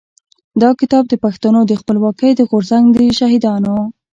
دا کتاب د پښتنو د خپلواکۍ د غورځنګ د شهيدانو.